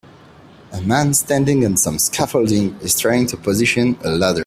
A man standing on some scaffolding is trying to position a ladder.